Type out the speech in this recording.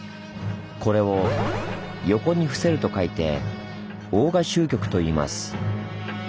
これを横に臥せると書いて「横臥褶曲」といいます。